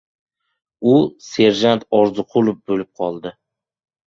U, serjant Orziqulov bo‘lib qoldi.